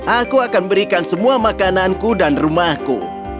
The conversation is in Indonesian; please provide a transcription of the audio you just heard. aku akan berikan semua makananku dan rumahku